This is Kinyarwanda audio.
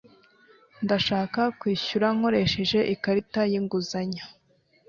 Ndashaka kwishyura nkoresheje ikarita y'inguzanyo.